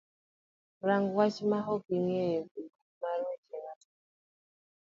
rang' wach ma ok iyiego e buk mar weche matek